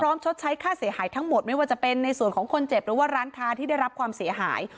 ชดใช้ค่าเสียหายทั้งหมดไม่ว่าจะเป็นในส่วนของคนเจ็บหรือว่าร้านค้าที่ได้รับความเสียหาย